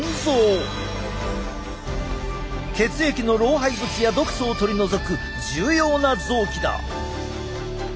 血液の老廃物や毒素を取り除く重要な臓器だ。